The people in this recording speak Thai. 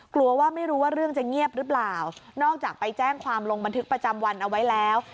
กลัวว่าไม่รู้ว่าเรื่องจะเงียบหรือเปล่านอกจากไปแจ้งความลงบันทึกประจำวันเอาไว้แล้ว